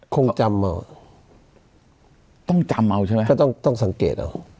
คงจำเอาต้องจำเอาใช่ไหมก็ต้องสังเกตเอา